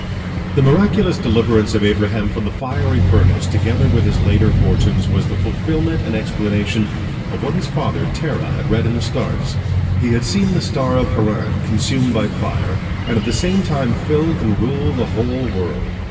The miraculous deliverance of Abraham from the fiery furnace, together with his later fortunes, was the fulfilment and explanation of what his father Terah had read in the stars. He had seen the star of Haran consumed by fire, and at the same time fill and rule the whole world.